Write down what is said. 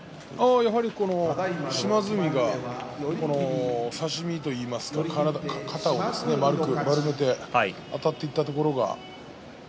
やはり島津海が差し身といいますか肩を丸く固めてあたっていったところが。